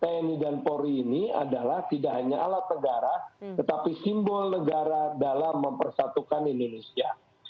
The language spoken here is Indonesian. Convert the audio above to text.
karena bentrok tni dan polri ini adalah tidak hanya alat negara tetapi simbol negara dalam mempersatukan indonesia